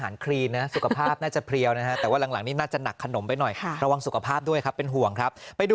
นี่ดูทำหน้าอร่อยฮะ